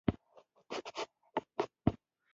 آزاد تجارت مهم دی ځکه چې تولید زیاتوي.